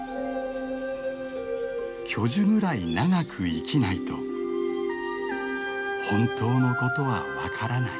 「巨樹ぐらい長く生きないと本当のことは分からない」。